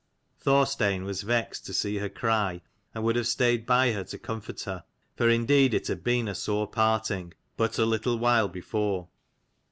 Thorstein was vexed to see her cry, and would have stayed by her to comfort her: for indeed it had been a sore parting but a little while before.